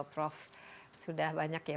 prof sudah banyak ya